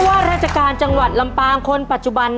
ว่าราชการจังหวัดลำปางคนปัจจุบัน